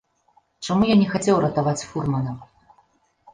Чаму я не хацеў ратаваць фурмана?